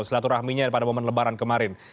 selatur rahminya pada momen lebaran kemarin